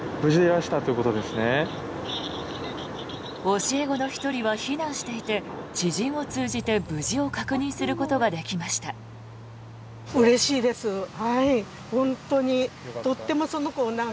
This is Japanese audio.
教え子の１人は避難していて知人を通じて無事を確認することができました。